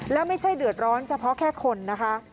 แล้วไม่ใช่เดือดร้อนเฉพาะแค่คนนะคะ